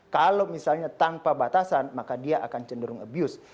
kalau misalnya tanpa batasan maka dia akan cenderung abuse